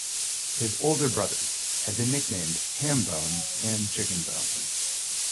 His older brothers had been nicknamed "Ham Bone" and "Chicken Bone.